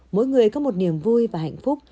mỗi người có một niềm vui và hạnh phúc